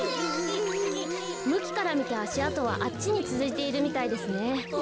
むきからみてあしあとはあっちにつづいているみたいですね。